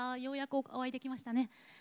ようやくお会いできましたね。